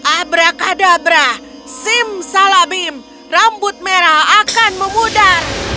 abrakadabra simsalabim rambut merah akan memudar